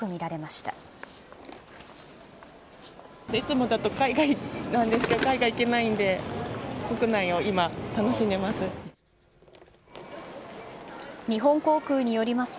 いつもだと海外なんですけど、海外行けないんで、国内を今、楽しんでます。